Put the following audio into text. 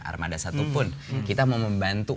armada satupun kita mau membantu